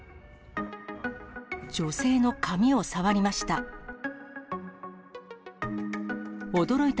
女性の髪を触りました。